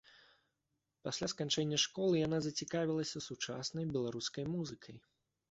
Пасля сканчэння школы яна зацікавілася сучаснай беларускай музыкай.